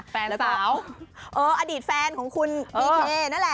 แฟนสาวเอออดีตแฟนของคุณบีเคนั่นแหละ